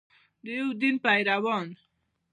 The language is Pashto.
د یو دین پیروان.